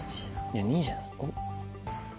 いや２位じゃない？